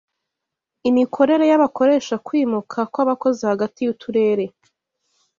imikorere y'abakoresha kwimuka kw'abakozi hagati y'uturere